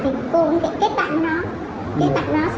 mình mua một lần năm triệu xong nó bảo là đây là tiền năm triệu này là hồ sơ